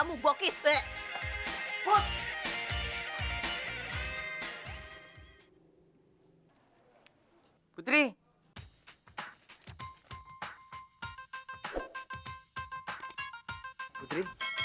gua tak peduli